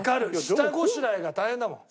下ごしらえが大変だもん。